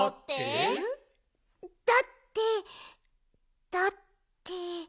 だってだって。